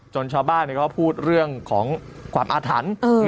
ชาวบ้านก็พูดเรื่องของความอาถรรพ์